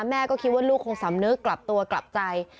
แม่ก็คิดว่าลูกคงสำนึกกลับตัวกลับใจ